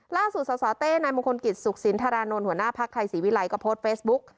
สสเต้นายมงคลกิจสุขสินธารานนท์หัวหน้าภักดิ์ไทยศรีวิลัยก็โพสต์เฟซบุ๊ก